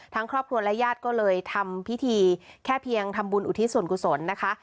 ครอบครัวและญาติก็เลยทำพิธีแค่เพียงทำบุญอุทิศส่วนกุศลนะคะ